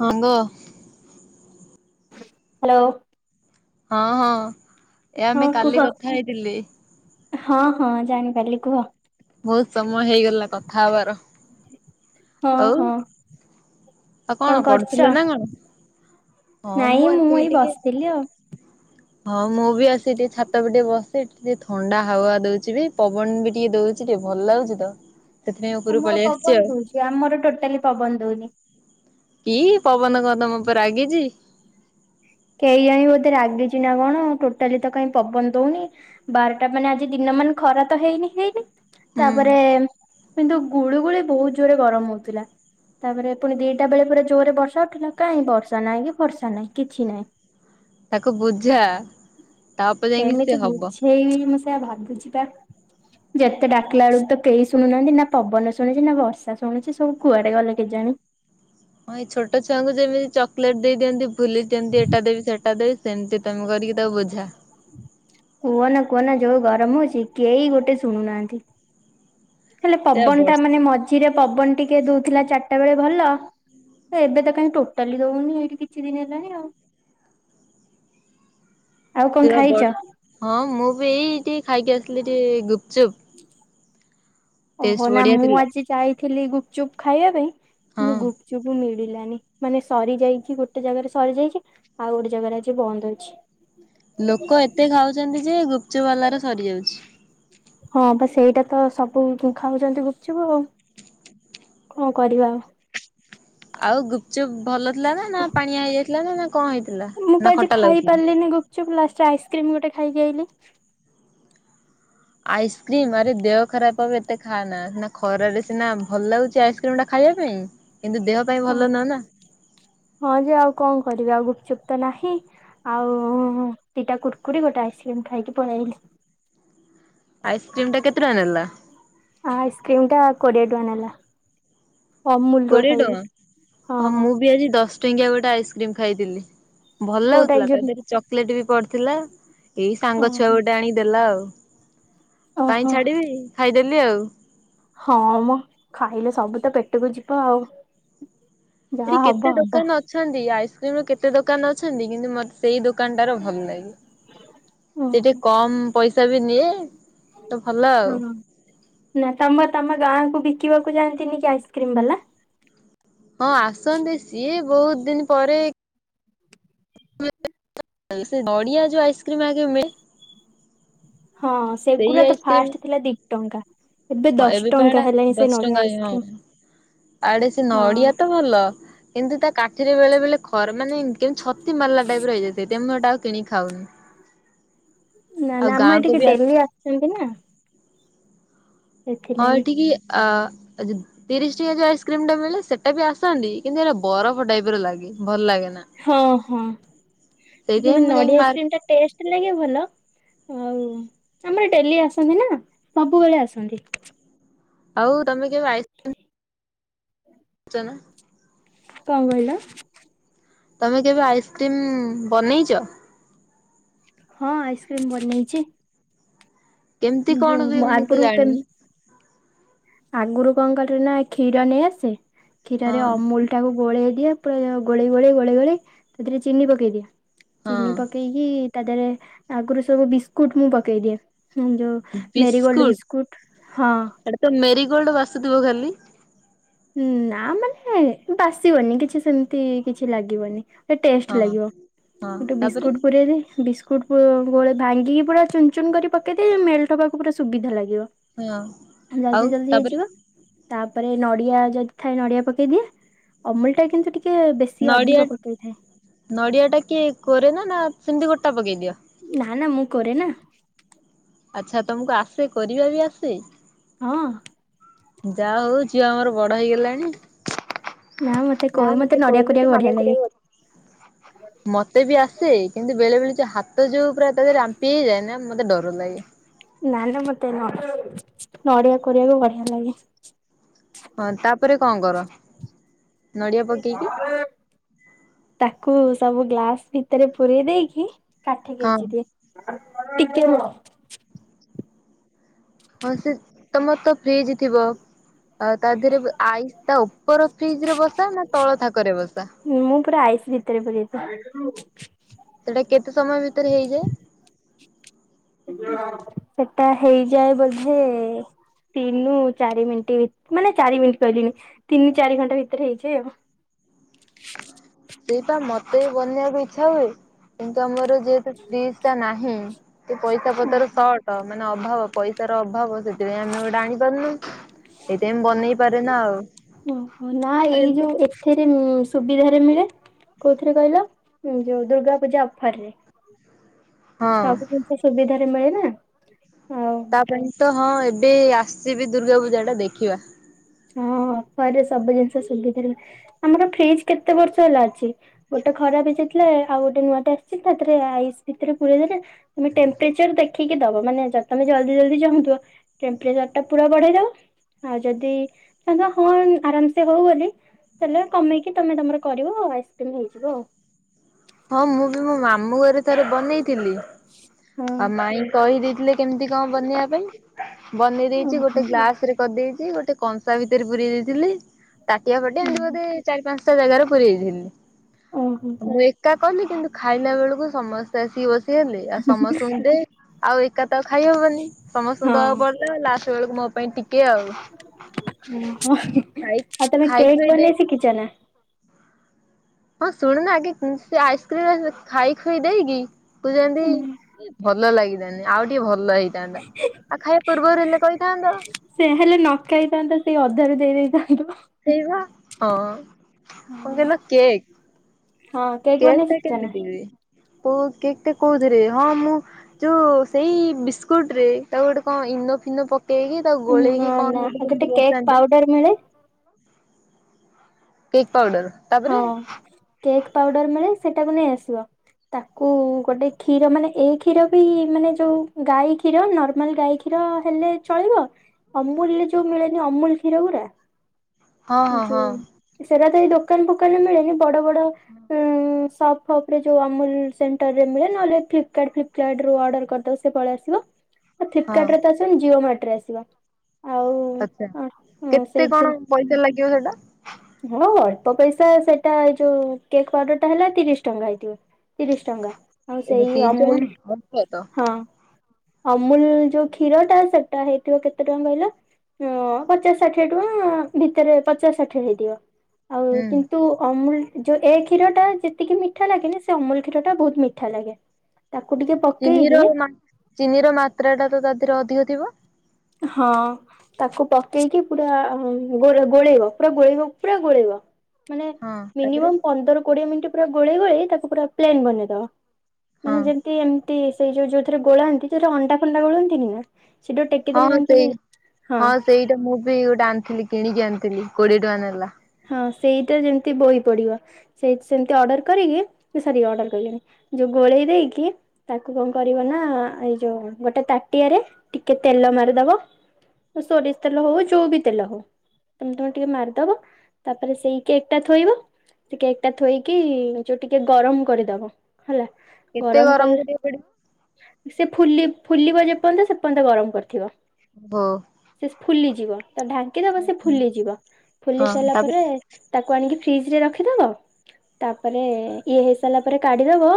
ହଙ୍ଗ। Hello. ହଁ ହଁ ଏ ହଁ ଆମେ କୁହ କାଲି କଥା ହେଇଥିଲେ। ହଁ ହଁ ଜାଣିପାରିଲି କୁହ। ବହୁତ ସମୟ ହେଇଗଲା କଥା ହବାର। ହଁ ଆଉ ହଁ। ଆଉ କଣ ପଢୁଥିଲେ ନା କଣ? ହଁ ନାଇଁ ମୁଁ ଆସିକି ଏଇ ଟିକେ ବସିଥିଲି ଆଉ। ହଁ ମୁଁ ବି ଆସି ଟିକେ ଛାତ ବି ଟିକେ ବସିି ଟିକେ ଥଣ୍ଡା ହାୱା ଦଉଛି ବି ପବନ ବି ଟିକେ ଦଉ ଛି ଟିକେ ଭଲ ଲାଗୁଛି ତ। ସେଥିପାଇଁ ଉପରକୁ ତମର ପଳେଇ ଆସିଛି ପବନ ଆଉ ଦଉଛି ଆମର ଟୋଟାଲି ପବନ ଦଉନି। କି ପବନ କଣ ତମ ଉପରେ ରାଗିଛି? କେଇ ଆଣି ବୋଧେ ରାଗିଛି ନା କଣ ଟୋଟାଲି ତ କାଇ ପବନ ଦଉନି ବାରଟା ମାନେ ଆଜି ଦିନ ମାନେ ଖରା ତ ହେଇନି ହେଇନି ହୁଁ ତାପରେ କିନ୍ତୁ ଗୁଳୁ ଗୁଳି ବହୁତ ଜୋରେ ଗରମ ହଉଥିଲା। ତାପରେ ପୁଣି ଦିଟା ବେଳେ ପରେ ଜୋରରେ ବର୍ଷା ଉଠିଲା କାଇଁ ବର୍ଷା ନାହିଁ କି ଫର୍ଷା ନାହିଁ କିଛି ନାହିଁ। ତାକୁ ବୁଝା ତା ଉପେ ଯାଇକି ସେ ହବ। ହେଇ ହେଇଆ ଭାବୁଛି ବା ଯେତେ ଡାକିଲା ବେଳକୁ ତ କେହି ଶୁଣୁନାହାନ୍ତି ନା ପବନ ଶୁଣୁଛି ନା ବର୍ଷା ଶୁଣୁଛି ସବୁ କୁଆଡେ ଗଲେ କେଜାଣି ହଁ ଏଇ ଛୋଟ ଛୁଆଙ୍କୁ ଯେମିତି ଚକୋଲେଟ ଦେଇ ଦିଅନ୍ତି ଭୁଲେଇ ଦିଅନ୍ତି ଏଇଟା ଦେବି ସେଟା ଦେବି ସେମୀତି ତମେ କରିକି ତାକୁ ବୁଝା। କୁହ ନା କୁହନା ଯୋଉ ଗରମ ହେଉଛି କେହି ଗୋଟେ ଶୁଣୁନାହାନ୍ତି। ହେଲେ ତେ ପବନ ଟା ମାନେ ବର୍ଷିର ମଝିରେ ପବନ ଟିକେ ଦଉଥିଲା ଚାରିଟା ବେଳେ ଭଲ ତ ଏବେ ତ କାଇ ଟୋଟାଲି ଦଉନି ଏଇଠି କିଛି ଦିନ ହେଲାଣି ଆଉ। [inaudible] ଆଉ କଣ ସିର ଖାଇଛ? ବର୍ଷ ହଁ ମୁଁ ବି ଏଇ ଟିକେ ଖାଇକି ଆସିଲି ଟିକେ ଗୁପଚୁପ୍ ହ [inaudible] ଓହୋ ଟେଷ୍ଟ ନା ବଢିଆ ମୁଁ ଥିଲା। ଆଜି ଯାଇଥିଲି ଗୁପଚୁପ୍ ଖାଇବା ପାଇଁ କିନ୍ତୁ ହଁ ଗୁପ ଚୁପ୍ ମିଳିଲାନି ମାନେ ସରିଯାଇକି ଗୋଟେ ଜାଗାରେ ସରିଯାଇଛି ଆଉ ଗୋଟେ ଜାଗାରେ ଆଜି ବନ୍ଦ ଅଛି। ଲୋକ ଏତେ ଖାଉଛନ୍ତି ଯେ ଗୁପଚୁପ ବାଲାର ସରିଯାଉଛି। ହଁ ବା ସେଇଟା ତ ସବୁ ଖାଉଛନ୍ତି ଗୁପଚୁପୁ ଆଉ କଣ କରିବା ଆଉ। ଆଉ ଗୁପଚୁପ୍ ଭଲ ଥିଲା ନା ନା ପାଣିଆ ହେଇଯାଇଥିଲା ନା ନା କଣ ହେଇଥିଲା ନା ଖଟା ଲାଗୁଥିଲା? ଚୁପ ଲଷ୍ଟେ ରେ ଆଇସ୍କ୍ରିମ ଗୋଟେ ଖାଇକି ଆଇଲି। ଆଇସ୍କ୍ରିମ୍ ଆରେ ଦେହ ଖରାପ ହେବ ଏତେ ଖା ନା ସିନା ଖରାରେ ସିନା ଭଲ ଲାଗୁଛି ଆଇସ୍କ୍ରିମ୍ ଟା ଖାଇବା ପାଇଁ। କିନ୍ତୁ ଦେହ ପାଇଁ ଭଲ ନୁହେଁ ନା। ହଁ ଯେ ଆଉ କଣ କରିବା ଆଉ ଗୁପଚୁପ୍ ତ ନାହିଁ ଆଉ ଦିଟା କୁରୁକୁରି ଗୋଟେ ଆଇସ୍କ୍ରିମ ଖାଇକି ପଳେଇଆଇଲି। ଆଇସ୍କ୍ରିମ ଟା କେତେ ଟଙ୍କା ନେଲା? ଆଇସ୍କ୍ରିମ୍ ଟା କୋଡ଼ିଏ ଟଙ୍କା ନେଲା। ଅମୁଲ୍ ର କୋଡିଏ ଖାଇଲି ଟଙ୍କା ହଁ ମୁଁ ବି ଆଜି ଦଶ ଦସଟଙ୍କିଆ ଗୋଟେ ଆଇସ୍କ୍ରିମ ଖାଇଦେଲି ଭଲ କୋଉଟା ଏଇ ଲାଗୁଥିଲା ତା ଯୋଉ ଦେହରେ ଚକୋଲେଟ ବି ପଡିଥିଲା। ଏଇ ସାଙ୍ଗ ଛୁଆ ଓହୋ ଗୋଟେ ଆଣିକି ଦେଲା ଆଉ କାଇଁ ଓହୋ ଛାଡିବି ଖାଇଦେଲି ଆଉ ହଁମ୍ ଖାଇଲେ ସବୁ ତ ପେଟକୁ ଯିବ ଆଉ ଏଠି ଯାହା କେତେ ହବ ହବ ଦୋକାନ ଅଛନ୍ତି ଆଇସ୍କ୍ରିମର କେତେ ଦୋକାନ ଅଛନ୍ତି, କିନ୍ତୁ ମୋର ସେଇ ଦୋକା ଦୋକାନଟାର ଭଲ ଲାଗେ, ସେ ଟିକେ ଓହୋ। କମ ପଇସା ବି ନିଏ। ତ ଭଲ ଆଉ। ହଁ ନା ତମ ତମ ଗାଁକୁ ବିକିବାକୁ ଯାଆନ୍ତିନି କି ଆଇସ୍କ୍ରିମବାଲା? ହଁ ଆସନ୍ତି ସିଏ ବହୁତ୍ ଦିନି ପରେ ନଡ଼ିଆ ଆଉ ଆଇସ୍କ୍ରିମ ଆଗେ ମିଳେ ହଁ ସେଇ ସେଗୁଡା ତ ଆଇସ୍କ୍ରିମ ଫାଷ୍ଟ ଥିଲା ଦି ଟଙ୍କା। ହଁ ଦଶ ଏବେ ପା ଟଙ୍କା ହେଟା ହେଲାଣି ସେ ଦଶ ନଡିଆ ଟଙ୍କା ହଁ ଆଇସ୍କ୍ରିମ ଆଡେ ସେ ନଡିଆ ହଁ ତ ଭଲ କିନ୍ତୁ ତା କାଠିରେ ବେଳେ ବେଳେ ଖର୍ ମାନେ କେମିତି ଛତି ମାରିଲା ଟାଇପର ହେଇଯାଇଥାଏ, ତେଣୁ ମୁଁ ହେଟା କିଣିକି ଖାଉନି। ନା ଆଉ ନା ଆମେ ଗାଁକୁ ଏଠିକି ବି ଆ ଡେଲି ଆସନ୍ତି ନା ହଁ ସେଥିଲାଗି। ଏଠିକି ଆ ଯ ତିରିଶ ଟିକେ ଯୋଉ ଆଇସ୍କ୍ରିମଟା ମିଳେ, ସେଟା ବି ଆସନ୍ତି କିନ୍ତୁ ଏଟା ବରଫ ଟାଇପର ଲାଗେ ଭଲ ଲାଗେ ନା। ହଁ ହଁ ସେଇଥିପାଇଁ କିନ୍ତୁ ମୁଁ ଯାଇକି ନଡିଆ ମାର୍ ଆଇସ୍କ୍ରିମଟା ଟେଷ୍ଟ ସେଥିଲାଗି ଭଲ ଆଉ ଆମର ଡେଲି ଆସନ୍ତି, ନା ସବୁବେଳେ ଆସନ୍ତି। ଆଉ ତମେ କେବେ ଆଇସି ଚନା କଣ କହିଲ। ତମେ କେବେ ଆଇସ୍କ୍ରିମ୍ ବନେଇଛ। ହଁ ଆଇସ୍କ୍ରିମ୍ ବନେଇଛି। କେମିତି କଣ ଯୋଉ ହୁଏ ମୁଁ ତ ଆଗରୁ ଜାଣିନି। ଆଗରୁ କଣ କରେ ନା କ୍ଷୀର ନେଇଆସେ ହଁ କ୍ଷୀରରେ ଅମୁଲ ତାକୁ ଗୋଳେଇ ଦିଏ ପୁରା ଗୋଳେଇ ଗୋଳେଇ ଗୋଳେଇ ଗୋଳେଇ ସେଥିରେ ଚିନି ପକେଇ ଦିଏ ହଁ ଚିନି ପକେଇ କି ତା ଦେହରେ ଆଗରୁ ସବୁ ବିସ୍କୁଟ ମୁଁ ପକେଇଦିଏଁ ହୁଁ ଯୋଉ ମେରିଗୋଲଡ ବିସ୍କୁଟ ବିସ୍କୁଟ ହଁ। ଏଟା ତ ମେରିଗୋଲଡ଼ ବାସୁଥିବ ଖାଲି। ନା ମାନେ ବାସିବନି କିଛି ସେମିତି କିଛି ଲାଗିବନି। ଏ ଟେଷ୍ଟ ହଁ ଲାଗିବ ହଁ ଗୋଟେ ତାପରେ ବିସ୍କୁଟ୍ ପୁରେଇଦେ ବିସ୍କୁଟ୍ ଗୋ ଭାଙ୍ଗିକି ପୁରା ଚୁନ ଚୁନ କରି ପକେଇଦିଏ ମେଲଟ ହବାକୁ ପୁରା ସୁବିଧା ଲାଗିବ। ହଁ ଆଉ ଜଲଦି ଜଲଦି ତାପରେ ହେଇଯିବ। ତାପରେ ନଡିଆ ଯଦି ଥାଏ ନଡିଆ ପକେଇ ଦିଏ ଅମୁଲଟା କିନ୍ତୁ ଟିକେ ବେଶୀ ନଡ଼ିଆ ଅଧିକ ପକେଇଥାଏ ନଡ଼ିଆଟା କିଏ କୋରେ ନା ନା ସେମିତି ଗୋଟା ପକେଇ ଦିଅ। ନା ନା ମୁଁ କୋରେ ନା। ଆଚ୍ଛା ତମକୁ ଆସେ କୋରିବା ବି ଆସେ। ହଁ। ଯା ହଉ ଝିଅ ଆମର ବଡ଼ ହେଇଗଲାଣି। ମତେ ନା କହେ ମତେ କୋ ନଡିଆ ମତେ କରିବାକୁ ବଢିଆ ନଡିଆ ଲାଗେ କୋଡିଆ କୁ ମତେ ବି ଆସେ କିନ୍ତୁ ବେଳେ ବେଳେ ଯୋଉ ହାତ ଯୋଉ ପୁରା ତାରେ ରାମ୍ପି ହେଇଯାଏ ନା ମତେ ଡର ଲାଗେ। ନା ନା ମତେ ନ ନଡିଆ କୋରିବାକୁ ବଢ଼ିଆ ଲାଗେ। ହଁ ତାପରେ କଣ କର। ନଡିଆ ପକେଇକି ତାକୁ ସବୁ ଗ୍ଲାସ ଭିତରେ ପୁରେଇ ଦେଇକି କାଠିକି ହଁ ଗେଞ୍ଜିଦିଏ ଟିକେ ରୁହ। ହଁ ସେ ତମର ତ ଫ୍ରିଜ୍ ଥିବ। ଆଉ ତା ଦେହରେ ଆଇସ୍ ତା ଉପର ଫ୍ରିଜରେ ବସାଅ ନା ତଳ ଥାକରେ ବସାଅ। ହଁ ମୁଁ ପୁରା ଆଇସି ଭିତରେ ପୁରେଇଦିଏ। ସେଟା କେତେ ସମୟ ଭିତରେ ହେଇଯାଏ। ସେଟା ହେଇଯାଏ ବୋଧେ। ତିନି ଚାରି ମିନିଟ୍ ମାନେ ଚାରି ମିନିଟ୍ କହିଦେଲି ତିନି ଚାରି ଘଣ୍ଟା ଭିତରେ ହେଇଯାଏ ଆଉ। ସେଇଟା ମତେ ବି ବନେଇବାକୁ ଇଚ୍ଛା ହୁଏ କିନ୍ତୁ ଆମର। ଯେହେତୁ ଫ୍ରିଜ ଟା ନାହିଁ ଟିକେ ପଇସା ଆଉ। ପତର ସଟ। ମାନେ ଅଭାବ ପଇସ ର ଅଭାବ ସେଥିପାଇଁ ଆମେ ଗୋଟେ ଆଣି ପାରୁନୁ। ଏଇଥିପାଇଁ ବନେଇ ପାରେ ନା ଆଉ। ଓହୋ ନା ଏଇ ଯୋଉ। ଏଥିରେ ସୁବିଧରେ ମିଳେ କୋଉଥିରେ କହିଲ ଯୋଉ ଦୁର୍ଗା ପୂଜା ଅଫର ରେ। [inaudible] ସବୁ ଜିନିଷ ସୁବିଧାରେ ମିଳେ ନା ଆଉ। ତା ପାଇଁ ତ ହଁ ଏବେ ଆସିବି ଦୁର୍ଗା ପୂଜା ଟା ଦେଖିବା। ହଁ ଅଫର ରେ ସବୁ ଜିନିଷ ସୁବିଧାରେ ଆମର ଫ୍ରିଜ କେତେ ବର୍ଷ ହେଲା ଅଛି। ଗୋଟେ ଖରାପ ହେଇଯାଇଥିଲା ଆଉ ଗୋଟେ ନୂଆ ଟେ ଆସିଛି ହେଥେରେ ଆଇସ୍ ଭିତରେ ପୁରଇ ଦେଲେ। ତମେ ଟେମ୍ପରେଚର ଦେଖିକି ଦବ ମାନେ ତମେ ଜଲଦି ଜଲଦି ଚାହୁଁଥିବ। ଟେମ୍ପରେଚରଟା ପୁରା ବଢେଇ ଦବ ଆଉ ଯଦି ତାଙ୍କ ହଁ ଆରାମ ସେ ହଉ ବୋଲି। ତାହାଲେ କମେଇକି ତମେ ତମର କରିବ ଆଇସ୍କ୍ରିମ ହେଇଯିବ ଆଉ। ହଁ ମୁଁ ବି ମୋ ମାମୁଁ ଘରେ ଥରେ ବନେଇଥିଲି ଆଉ ମାଇଁ କହିଦେଇଥିଲେ କେମିତି କଣ ବନେଇବା ପାଇଁ ବନେଇ ଦେଇେଇଛି ଓହୋ ଗୋଟେ ଗ୍ଲାସ ରେ କରିଦେଇଛି ଗୋଟେ କଂସା ଭିତରେ ପୁରରେଇ ଦେଇଥିଲି ତାଟିଆ ଫାଟିଆ ଏମିତି ଓହୋ। ବୋଧେ ଚାରି ପାଞ୍ଚଟା ଜାଗାରେ ପୁରେଇ ଦେଇଥିଲି। ଅହ। ମୁଁ ଏକା କଲି କିନ୍ତୁ ଖାଇଲା ବେଳକୁ ସମସ୍ତେ ଆସିକି ବସିଗଲେ ଆଉ ସମସ୍ତଙ୍କୁ ଦେ। ଆଉ ଏକା ତ ଆଉ ଖାଇହବନି। ସମସ୍ତଙ୍କୁ ଦବାକୁ ପଡଲା। ଲାଷ୍ଟ୍ ବେଳକୁ ମୋ ପାଇଁ ଟିକେ ଆଉ। ଓହ ଖାଇ ଆଉ ତମେ ଖାଇ କେକ୍ ଖୁଇ ଦେଇ ବନେଇ ଶିଖିଚ ନା? ହଁ ଶୁଣୁନ ଆଗେ ଉଁ ସେ ଆଇସ୍କ୍ରିମ୍ ଖାଇ ଖୁଇ ଦେଇକି କୁଚନ୍ତି ଭଲ ଲାଗିିଲାନି। ଆଉ ଟିକେ ଭଲ ହେଇ ଥାନ୍ତା। ଆଉ ଖାଇବା ପୂର୍ବରୁ ହେଲେ କହିଥାନ୍ତ। ସେ ହେଲେ ନ ଖାଇଥାନ୍ତା। ସେଇ ଅଧାରୁ ଦେଇ ଦେଇଥାନ୍ତା। ହେଇବା ହଁ କଁ ହଁ କହିଲ କେକ୍? ହଁ କେକ୍ ବନେଇ ଟା ଶିଖିଛ ନା? କେମିତି ପୋ କେକ୍ ଟା କୋଉଥିରେ ହଁ ମୁଁ ଯୋଉ ସେଇ ବିସ୍କୁଟ ରେ ତାକୁ ଗୋଟେ କଣ ଇନୋ ଫିନୋ ପକେଇକି ତାକୁ ନା ଗୋଳେଇକି ନା କଣ ଗୋଟେ କେମତି କେକ୍ ବସାନ୍ତି? ପାଉଡର ମିଳେ। Cake powder. ତାପରେ ହଁ କେକ୍ ପାଉଡର ମିଳେ ସେଟାକୁ ନେଇ ଆସିବ। ତାକୁ ଗୋଟେ କ୍ଷୀର ମାନେ ଏ କ୍ଷୀର ବି ମାନେ ଯୋଉ ଗାଈ କ୍ଷୀର ନର୍ମାଲ ଗାଈ କ୍ଷୀର ହେଲେ ଚଳିବ ଅମୁଲରେ ଯୋଉ ମିଳେନି ଅମୁଲ କ୍ଷୀର ଗୁରା। ହଁ ହଁ ଯୋଉ ହଁ ସେଟା ତ ଏଇ ଦୋକାନ ଫୋକାନ ମିଳେନି ବଡ ବଡ ଉଁ ସପ୍। ସପ୍ ରେ ଯୋଉ ଅ ନୋମୁଲ୍ ସେଣ୍ଟରରେ ମିଳେ ନହଲେ ଫ୍ଲିପକାର୍ଟ ଫ୍ଲିପକାର୍ଟ ରୁ ଅର୍ଡର କରିଦବ ସେ ପଳେଇ ଆସିବ। [inaudible] ହ ଫ୍ଲିପକାର୍ଟରେ ତ ଆସିବନି ଜିଓ ମାର୍ଟ୍ ରେ ଆସିବ। ଆଚ୍ଛା ଆଉ କେତେ ସେଇ କଣ ପଇସା ଲାଗିବ ସେଟା? ହଁ ଅଳ୍ପ ପଇସା ସେଟା ଏଇ ଯୋଉ କେକ୍ ଅର୍ଡର ଟା ହେଲା ତିରିଶ ଟଙ୍କା ହେଇଥିବ। ତିରିଶ ଟଙ୍କା ଆଉ ସେଇ ଏତିକି ଜମା ଅମୁଲ ଅଳ୍ପ ତ ହଁ। ଅମୁଲ ଯୋଉ କ୍ଷୀର ଟା ସେଟା ହେଇଥିବ କେତେ ଟଙ୍କା କହିଲ? ହଁ ପଚାଶ ଷାଠିଏ ଟଙ୍କା ଭିତରେ ପଚାଶ ଷାଠ କିଇଏ ହେଇଥିବ। ଆଉ ହୁଁ। କିନ୍ତୁ ଅମୁଲ୍ ଯୋଉ ଏ କ୍ଷୀର ଟା ଯେତିକି ମିଠା ଲାଗେନି ସେ ଅମୁଲ କ୍ଷୀର ଟା ବହୁତ ମିଠା ଲାଗେ। ତାକୁ ଟିକେ ପକ୍ ଚିନିର ମା ଚିନି ର ମାତ୍ରା ଟା ତ ତା ଦେହରେ ଅଧିକ ଥିବ। ହଁ। ତାକୁ ପକେଇକି ପୁରା ଗୋଳେଇବ ପୁରା ଗୋଳେଇବ ପୁରା ଗୋଳେଇବ। ମାନେ ହଁ ତାପରେ ମିନିମମ୍ ପନ୍ଦର କୋଡିଏ ମିନଟି ପୁରା ଗୋଳେଇ ଗୋଳେଇ ତାକୁ ପୁରା ପ୍ଲେନ୍ ବନେଇଦବ। ହଁ ମାନେ ଯେମତି ଏମତି ସେଇ ଯୋଉ ଯୋଉଥିରେ ଗୋଳାନ୍ତି ଯୋଉଥିରେ ଅଣ୍ଡା ଫଣ୍ଡା ଗୋଳନ୍ତିନି ନା ସେଡୋ ଟେକ୍ ହଁ ହଁ ସେଇ ହଁ ସେଇଟା ମୁଁ ବି ଗୋଟେ ଆଣିଥିଲି କିଣିକି ଆଣିଥିଲି କୋଡିଏ ଟଙ୍କା ନେଲା। ହଁ ସେଇଟା ଯେମତି ବହି ପଡିବ। ସେଇ ସେମତି ଅର୍ଡ଼ର କରିକି ମୁ ସରି ଅର୍ଡ଼ର କଇଲିଣି ଯେଉଁ ଗୋଳେଇ ଦେଇକି ତାକୁ କଣ କରିବ ନା ଏଇ ଯୋଉ ଗୋଟେ ତାଟିଆରେ ଟିକେ ତେଲ ମାରିଦବ। ସୋରିଷ ତେଲ ହଉ ଯୋଉ ବିି ତେଲ ହଉ ତମେ ତମର ଟିକେ ମାରିଦବ। ତାପରେ ସେଇ କେକ୍ ଟା ଥୋଇବ। ସେ କେକ୍ ଟା ଥୋଇକି ଯୋଉ ଟିକେ ଗରମ କରିଦବ ହେଲା। କେତେ ଗରମ କଲେ କରିବାକୁ ପଡିବ ସେ ଫୁଲି ଫୁଲିବ ଯେପର୍ଯ୍ୟନ୍ତ ସେ ପର୍ଯ୍ୟନ୍ତ ଗରମ କରିଥିବ। ଓହୋ। ସେ ଫୁଲିଯିବ ତାକୁ ଢାଙ୍କିଦବ ସେ ଓହୋ ଫୁଲିଯିବ ଫୁଲି ହଁ ସାଇଲା ତାପରେ ତାକୁ ଆଣିକି ଫ୍ରିଜ ରେ ରଖିଦବ। ତାପରେ ଇଏ ହେଇ ସାରିଲା ପରେ କାଢିଦବ।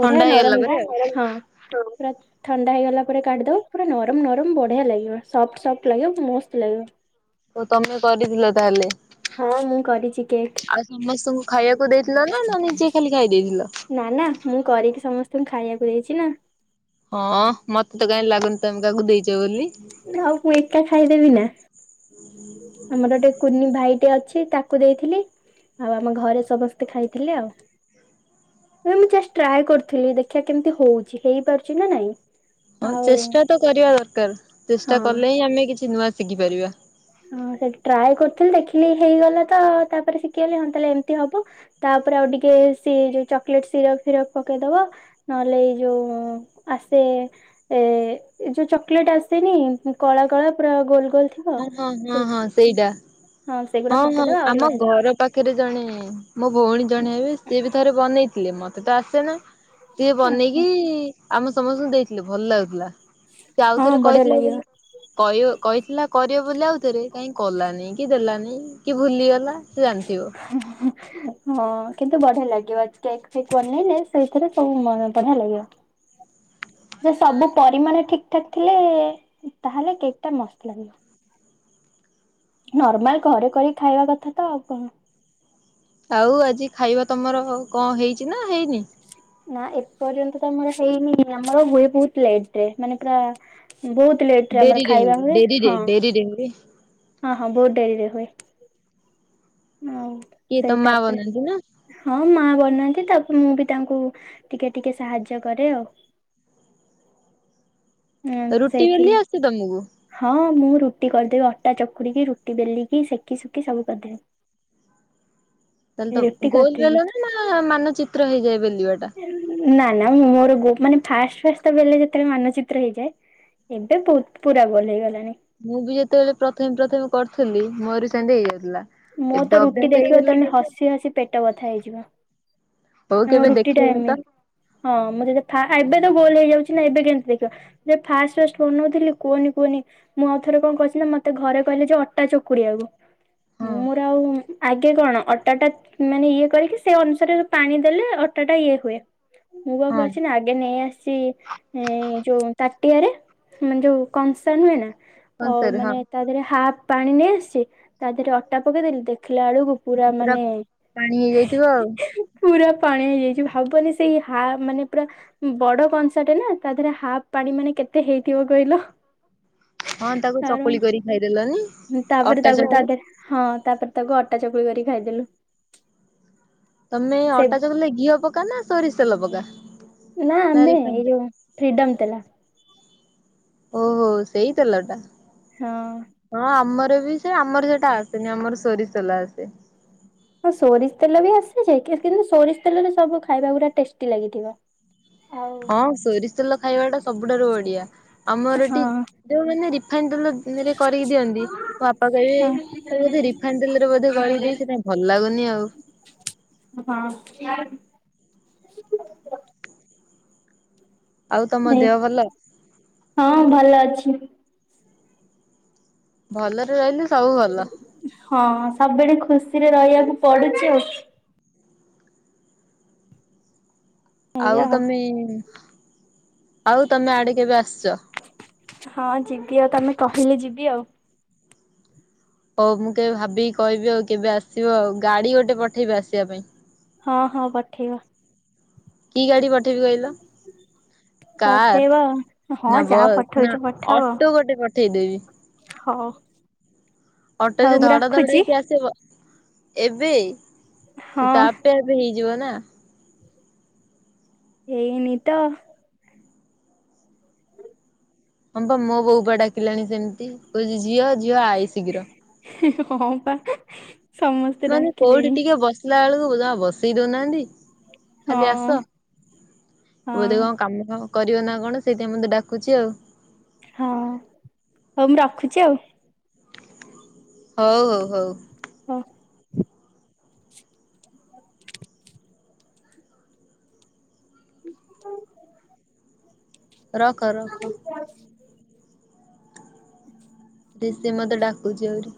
ବଢିଆ ଥଣ୍ଡା ହେଇଗଲା ନରମ ପରେ ଆଉ। ହଁ ପୁରା ଥଣ୍ଡା ହେଇଗଲା ପରେ କାଢିଦବ ପୁରା ନରମ ନରମ ବଢ଼ିଆ ଲାଗିବ। ସଫ୍ଟ ସଫ୍ଟ ଲାଗିବ ମସ୍ତ ଲାଗିବ। ତ ତମେ କରିଥିଲ ତାହେଲେ ହଁ ମୁଁ କରିଚି କେକ୍। ଆଉ ସମସ୍ତଙ୍କୁ ଖାଇବାକୁ ଦେଇଥିଲ ନା ନା ନିଜେ ଖାଲି ଖାଇ ଦେଇଥିଲ? ନା ନା ମୁଁ କରିକି ସମସ୍ତଙ୍କୁ ଖାଇବାକୁ ଦେଇଛି ନା। ହଁ ମତେ ତ କାହିଁ ଲାଗୁନି ତମେ କାହାକୁ ଦେଇଛ ବୋଲି। ଆଉ ମୁଁ ଏକା ଖାଇଦେବି ନା। ହୁଁ ଆମର ଗୋଟେ କୁନି ଭାଇଟେ ଅଛି ତାକୁ ଦେଇଥିଲି। ଆଉ ଆମ ଘରେ ସମସ୍ତେ ଖାଇଥିଲେ ଆଉ। ନ ମୁଁ ଜଷ୍ଟ ଟ୍ରାଏ କରିଥିଲି ଦେଖିବା କେମିତି ହଉଛି ହେଇପାରୁଛି ନା ନାଇଁ। ହଁ ଆଉ ଚେଷ୍ଟା ତ କରିବା ଦରକାର ହଁ। ଚେଷ୍ଟା କଲେ ହିଁ ଆମେ କିଛି ନୂଆ ଶିଖିପାରିବା। ହଁ ସେଠି ଟ୍ରାଏ କରୁଥିଲି ଦେଖିଲି ହେଇଗଲା ତ ତାପରେ ଶିଖିଗଲି ହଁ ତାହଲେ ଏମିତି ହବ। ତାପରେ ଆଉ ଟିକେ ଯ ଚକୋଲେଟ ସିରପ ଫିରପ ପକେଇଦବା। ନହେଲେ ଏଇ ଯୋଉ ଆସେ। ଏ ଏ ଯୋଉ ଚକୋଲେଟ ଆସେନି କଳା କଳା ପୁରା ଗୋଲ ଗୋଲ ଥିବ। ହଁ ହଁ ହଁ ସେ ହଁ ସେଇଟା ସେଗୁଡା ହଁ ହଁ ପକେଇଦବା ଆହୁରି ଆମ ବଢିଆ ଘର ପାଖ। ପାଖରେ ଜଣେ ମୋ ଭଉଣୀ ଜଣେ ହେବେ ସିଏ ବି ଥରେ ବନେଇଥିଲେ ମତେ ତ ଆସେ ନା। ସିଏ ବନେଇକି ଲାଗିବ। ଆମ ସମସ୍ତଙ୍କୁ ଦେଇଥିଲେ ଭଲ ଲାଗୁଥିଲା। ସେ ହଁ ଆଉଥରେ ବଢିଆ କହିଥିଲା ଲାଗିବ ବୋଲି କହିବ କହିଥିଲା କରିବ ବୋଲି ଆଉ ଭିତରେ କାଇହିଁ କଲାନି କି ଦେଲାନି କି ଭୁଲିଗଲା। ସେ ଜାଣିଥିବ। ହ ହଁ କିନ୍ତୁ ବଢିଆ ଲାଗିବ କେକ୍ ଫେକ୍ ବନେଇଲେ ସେଇଥିରେ ସବୁ ବଢିଆ ଲାଗିବ। [inaudible] ଯେ ସବୁ ପରିମାଣ ଠିକ ଠାକ୍ ଥିଲେ ତାହେଲେ କେକ୍ ଟା ମସ୍ତ ଲାଗିବ। ନର୍ମାଲ ଘରେ କରି ଖାଇବା କଥା ତ ଆଉ କଣ। ଆଉ ଆଜି ଖାଇବା ତମର କଣ ହେଇଛି ନା ହେଇନି। ନା ଏପର୍ଯ୍ୟନ୍ତ ତ ଆମର ହେଇନି ଆମର ହୁଏେ ବହୁତ ଲେଟରେ ମାନେ ପୁରା। ବହୁତ ଲେଟ ରେ ଆମର ଡେରିରେ ଖାଇବା ହୁଏ ଡେରିରେ ହଁ ଡେରିରେ ହୁଏ ହଁ ହଁ ବହୁତ ଡେରିରେ ହୁଏ। ହୋଉ କିଏ ତମ ସେଇ ମା ତାପରେ? ବନାନ୍ତି ନା? ହଁ ମା ବନାନ୍ତି ତାପରେ ମୁଁ ବି ତାଙ୍କୁ ଟିକେ ଟିକେ ସାହାଯ୍ୟ କରେ ଆଉ। ଉଁ ରୁଟି ସେଇଥିରେ ବେଲି ଆସେ ତମକୁ? ହଁ ମୁଁ ରୁଟି କରିଦେବି ଅଟା ଚକୁଡ଼ିକି ରୁଟି ବେଲିକି ସେକି ସୁକି ସବୁ କରିଦେବି। ତାହାଲେତ ରୁଟି ଗୋଲ କରିଦେବି ବେଲ ନା ନା ମାନଚିତ୍ର ହେଇଯାଏ ବେଲିବା ଟା? ନା ନା ମୁଁ ମୋରୋ ମାନେ ଫାଷ୍ଟ ଫାଷ୍ଟ ବେଲେ ଯେତେବେଳେ ମାନଚିତ୍ର ହେଇଯାଏ। ଏବେ ବହୁତ ପୁରା ଗଲ ହେଇଗଲାଣି। ମୁଁ ବି ଯେତେବେଳେ ପ୍ରଥମେ ପ୍ରଥମେ କରିୁଥିଲି ମୋର ସେମିତି ହେଇଯାଉଥିଲା। ମୋ ଏବେ ତ ରୁଟି ଅଭ୍ୟାସ ଦେଖିବ ହେଇଗଲାଣି ତମେ ହସି ହସି ପେଟ ବଥା ହେଇଯିବ। ହଉ ନା ମୋ କେବେ ରୁଟି ଟା ଦେଖେଇବ ତ ଏମିତି ହଁ ମୁଁ ଯ ଫା ଏବେ ତ ଗୋଲ ହେଇଯାଉଛି ନା ଏବେ କେମତି ଦେଖିବା। ସେ ଫାଷ୍ଟ ଫାଷ୍ଟ ବନଉଥିଲି କୁହନି କୁହନି ମୁଁ ଆଉ ଥରେ କଣ କଛି ନା ମତେ ଘରେ କହିଲେ ଜୋ ଅଟା ଚକୁଡିଆକୁ। ହଁ ମୋର ଆଉ ଆଗେ କଣ ଅଟାଟା ମାନେ ଇଏ କରିକି ସେ ଅନୁସାରେ ପାଣି ଦେଲେ ଅଟା ଟା ଇଏ ହୁଏ ମୁଁ କଣ ହଁ କରିଛି ନା ଆଗେ ନେଇ ଆସିଛି। ଏ ଯୋଉ ତାଟିଆରେ ମାନେ ଯୋଉ କଂସନ ହୁଏ ନା ହଁ ଆ ସାର୍ ହଁ। ମାନେ ତା ଦେହରେ ହାଫ୍ ପାଣି ନେଇ ଆସିଛି ତା ଦେହରେ ଅଟା ପକେଇଦଲି ଦେଖିଲା ବଳକୁ ପୁରା ମାନେ ପାଣି ହେଇଯାଇଥିବ ଆଉ ପୁରା ପାଣି ହେଇଯାଇଛି ଭାବୁନି ସେଇ ହା ମାନେ ପୁରା ବଡ କଂସା ଟେ ନା ତା ଦେହରେ ହାଫ ପାଣି ମାନେ କେତେ ହେଇଥିବ କହିଲ। ହଁ ତାକୁ ତାର ଚକୁଳି କରି ଖାଇଦେଲନୀ ତାପରେ ଅଟା ତାକୁ ତା ଚକୁଳି। ଦେହରେ ହଁ ତାପରେ ତାକୁ ଅଟା ଚକୁଳି କରିକି ଖାଇଦେଲୁ। ତମେ ସେ ଅଟା ଚକୁଳି ରେ ଘିଅ ପକା ନା ସୋରିଷ ତେଲ ପକା? ନା ଆମେ ରିଫାଇନ ଏଇ ତେଲ? ଯୋଉ ଫିଡମ ତେଲ। ଓହୋ ସେଇତେଲ ଟା। ହଁ। ହଁ ଆମର ବି ସେ ଆମର ସେଟା ଆସେନି ଆମର ସୋରିଷଲା ଆସେ। ହଁ ସୋରିଷ ତେଲ ବି ଆସେଯେ କିନ୍ତୁ ସୋରିଷ ତେଲରେ ସବୁ ଖାଇବା ଗୁଡା ଟେଷ୍ଟି ଲାଗିଥିବ। ଆଉ ହଁ ସୋରିଷ ତେଲ ଖାଇବା ଟା ସବୁଠାରୁ ବଢିଆ ଆମର ହଁ ଏଠି ଯୋଉ ମାନେ ରିଫାଇନ ତେଲ ରେ କରିକି ଦିଅନ୍ତି ବାପା କହିବେ ହଁ ତ ବୋଧେ ରିଫାଇନ ତେଲରେ ବୋଧେ କରିଦେଇ ସେଥିାପାଇ ଭଲ ଲାଗୁନି ଆଉ। ହଁ। [unintelligible] ଆଉ ତମ ଦେହ ଭଲ? ହଁ ଭଲ ଅଛି। ଭଲରେ ରହିଲେ ସବୁ ଭଲ। ହଁ ସବୁଡେ ଖୁସିରେ ରହିବାକୁ ପଡୁଛି ଆଉ। ଆଉ ତମେ ଆଉ ତମେ ଆଡେ କେବେ ଆସ ହଁ ଯିବି ଆଉ ତମେ କହିଲେ ଯିବି ଆଉ। ହଉ ମୁଁ କେବେ ଭାବିକି କହିବି ଆଉ କେବେ ଆସିବ ଆଉ ଗାଡି ଗୋଟେ ପଠେଇବି ଆସିବା ପାଇଁ। ହଁ ହଁ ପଠେଇବ। କି ଗାଡି ପଠେଇବି କହିଲ? ପଠେଇବ ଆଉ। ହଁ କାର ନା ଯାହା ବସ୍ ପଠଉଛ ନା ଅଟୋ ଗୋଟେ ପଠେଇଦେବି। ହଁ। ଅଟୋ ଯେ ଧଡ ଧଡ ହେଇକି ଆସିବ ଏବେ ସେ ହଁ ତାପ ଆ ହେଇଯିବ ନା। ହେଇନି ତ। ହଁ ବା ମୋ ବୋଉ ବାଆ ଡାକିଲାଣି ସେମିତି କଉଛି ଝିଅ ଝିଅ ଆଇ ଶୀଘ୍ର। ହେଁ ହେଁ ହଁ ପା। ସମସ୍ତେ ମାନେ କୋଉଠି ଡାକିଲେଣି ଟିକେ ବସିଲା ବେଳକୁ ଯାହା ବସେଇ ଦଉନାହାନ୍ତି। ହଁ ଖାଲି ଆସ ବ ହଁ ବୋଧେ କଣ କାମ ଫାମ କରିବ ନା କଣ ସେଥିପାଇ ମୋତେ ଡାକୁଛି ଆଉ। ହଁ ହଉ ମୁଁ ରଖୁଛି ଆଉ। ହଉ ହଉ ହଉ। ହଁ। [unintelligible] ରକ ରଖ। ରିଷି ମତେ ଡାକୁଛି ଅହୁରି।